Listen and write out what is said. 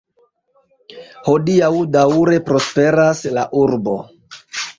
Hodiaŭ daŭre prosperas la Urbo.